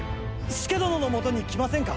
佐殿のもとに来ませんか。